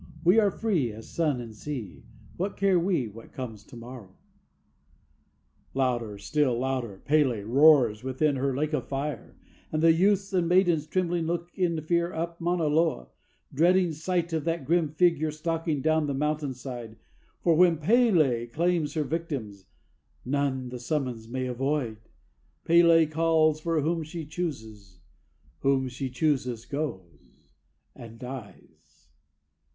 We are free As sun and sea, What care we what comes to morrow_?" Louder still and louder, P├®l├® roars within her lake of fire, And the youths and maidens trembling look in fear up Mauna Loa, Dreading sight of that grim figure stalking down the mountain side; For when P├®l├® claims her victims none the summons may avoid. P├®l├® calls for whom she chooses whom she chooses goes, and dies.